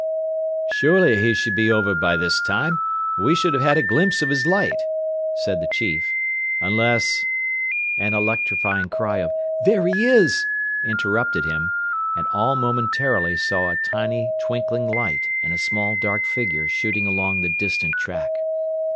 "Surely he should be over by this time, and we should have had a glimpse of his light," said the chief. "Unless " An electrifying cry of "There he is!" interrupted him, and all momentarily saw a tiny, twinkling light, and a small dark figure shooting along the distant track.